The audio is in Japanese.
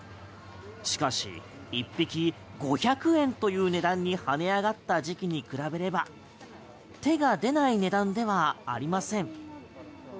しかし１匹５００円という値段に跳ね上がった時期に比べれば手が出ない値段ではありません。